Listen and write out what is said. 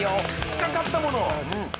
近かったもの！